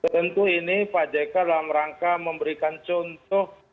tentu ini pak jk dalam rangka memberikan contoh